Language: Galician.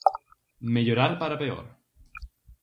Mellorar para peor.